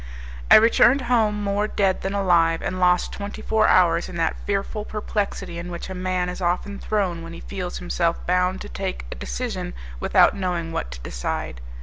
I returned home more dead than alive, and lost twenty four hours in that fearful perplexity in which a man is often thrown when he feels himself bound to take a decision without knowing what to decide.